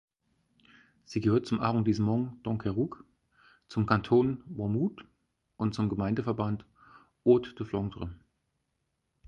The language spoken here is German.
Sie gehört zum Arrondissement Dunkerque, zum Kanton Wormhout und zum Gemeindeverband Hauts de Flandre.